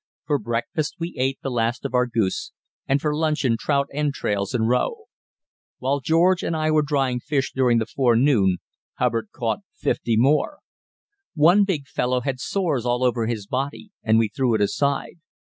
For breakfast we ate the last of our goose, and for luncheon trout entrails and roe. While George and I were drying fish during the forenoon, Hubbard caught fifty more. One big fellow had sores all over his body, and we threw it aside.